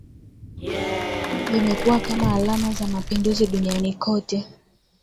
Vimekuwa kama alama za mapinduzi duniani kote